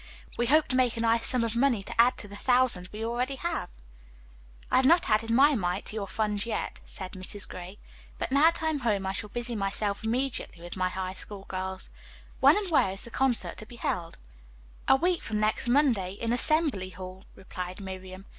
We hope to make a nice sum of money to add to the thousand we already have." "I have not added my mite to your fund yet," said Mrs. Gray. "But now that I'm home I shall busy myself immediately with my High School girls. When and where is the concert to be held?" "A week from next Monday, in Assembly Hall," replied Miriam.